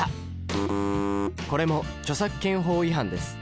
これも著作権法違反です。